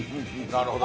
なるほど。